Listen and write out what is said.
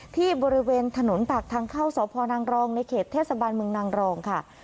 ที่บริเวณถนนปากทางเข้าสพนางรองในเขตเทศบาลเมืองนางรองค่ะ